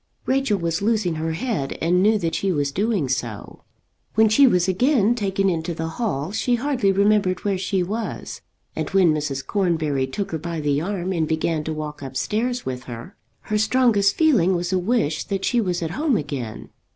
Rachel was losing her head and knew that she was doing so. When she was again taken into the hall she hardly remembered where she was, and when Mrs. Cornbury took her by the arm and began to walk up stairs with her, her strongest feeling was a wish that she was at home again.